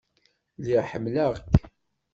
Lliɣ ḥemmleɣ-k.